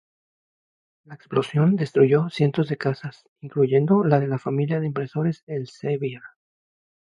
La explosión destruyó cientos de casas, incluyendo la de la familia de impresores Elsevier.